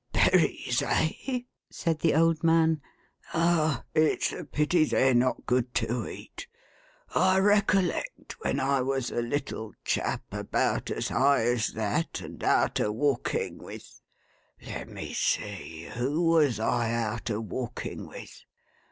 " Berries, eh ?" said the old man. " Ah ! It's a pity they're not good to eat. I recollect, when I was a little chap about as high as that, and out a walking with — let me see — who was I out a walking with